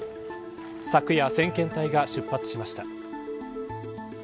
昨夜、先遣隊が出発しました。